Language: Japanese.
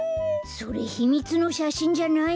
それひみつのしゃしんじゃないの？